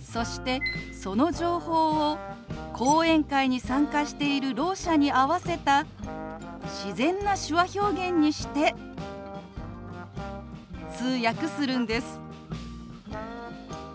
そしてその情報を講演会に参加しているろう者に合わせた自然な手話表現にして通訳するんです。